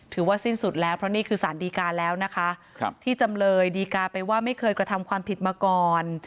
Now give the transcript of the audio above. ถือว่าสิ้นสุดแล้วเพราะนี่คือสารดีการแล้วนะคะที่จำเลยดีกาไปว่าไม่เคยกระทำความผิดมาก่อน